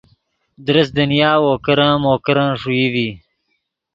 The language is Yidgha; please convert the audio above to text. درست دنیا وو کرن مو کرن ݰوئی ڤی